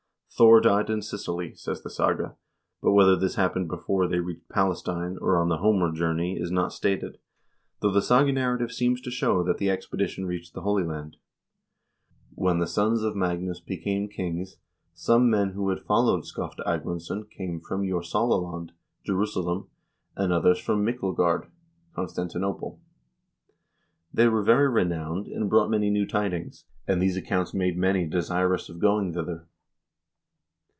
"Thor died in Sicily,"1 says the saga, but whether this happened before they reached Palestine, or on the homeward journey, is not stated, though the saga narrative seems to show that the expedition 1 Heimskringla, Magnus Barefoot' s Saga, ch. 20. 314 HISTORY OF THE NORWEGIAN PEOPLE reached the Holy Land. " When the sons of Magnus became kings, some men who had followed Skofte Agmundsson came from Jorsala land (Jerusalem), and others from Myklegard (Constantinople). They were very renowned, and brought many new tidings, and these accounts made many desirous of going thither."